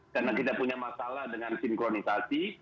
karena kita punya masalah dengan sinkronisasi